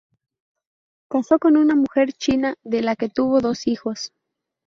Casó con una mujer china, de la que tuvo dos hijos.